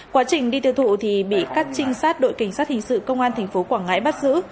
quá trình đi tiêu thụ thì bị các trinh sát đội cảnh sát hình sự công an tp quảng ngãi bắt giữ